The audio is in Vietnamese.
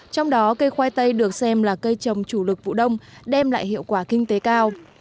trong đó cây khoai tây được xem là cây trồng chủ lực vụ đông đem lại hiệu quả kinh tế cao